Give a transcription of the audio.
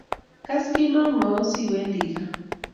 kas kinamwaun siwendi kaa